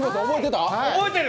覚えてる！